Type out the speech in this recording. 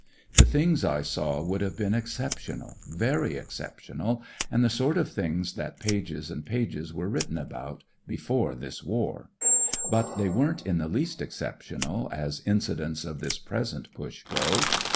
The things I saw would have been exceptional, very exceptional, and the sort of things that pages and pages were written about— before this war. But they weren't in the least exceptional, as incidents of this present Push go.